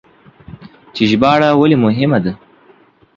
چې ژباړه ولې مهمه ده؟